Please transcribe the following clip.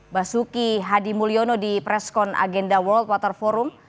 basuki hadi mulyono di preskon agenda world water forum